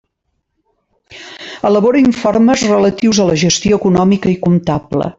Elabora informes relatius a la gestió econòmica i comptable.